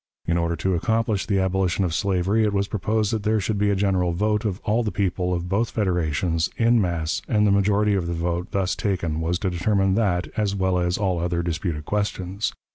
In order to accomplish the abolition of slavery, it was proposed that there should be a general vote of all the people of both federations, in mass, and the majority of the vote thus taken was to determine that as well as all other disputed questions.